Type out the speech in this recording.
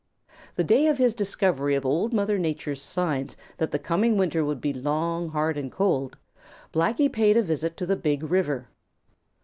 The day of his discovery of Old Mother Nature's signs that the coming winter would be long, hard and cold, Blacky paid a visit to the Big River.